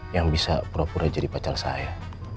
yang bisa pura pura jadi pacar saya